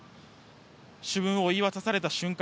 主文を言い渡された瞬間